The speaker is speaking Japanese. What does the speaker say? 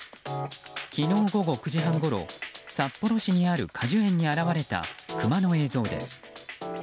昨日午後９時半ごろ札幌市にある果樹園に現れたクマの映像です。